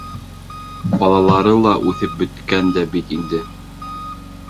Балалары ла үҫеп бөткән дә бит инде.